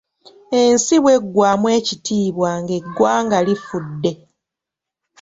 Ensi bweggwamu ekitiibwa ng'eggwanga lifudde.